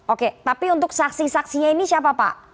oke tapi untuk saksi saksinya ini siapa pak